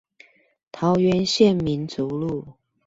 桃園縣民族路